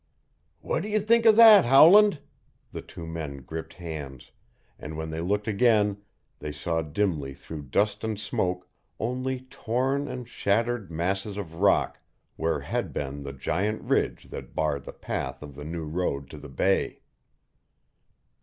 "What do you think of that, Howland?" The two men gripped hands, and when they looked again they saw dimly through dust and smoke only torn and shattered masses of rock where had been the giant ridge that barred the path of the new road to the bay.